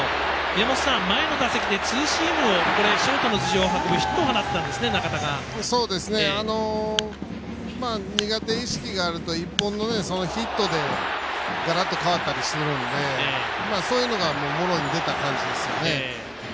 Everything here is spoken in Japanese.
宮本さん、前の打席でツーシームをショートの頭上をいく苦手意識があると１本のヒットでガラッと変わったりするのでそういうのがモロに出た感じですよね。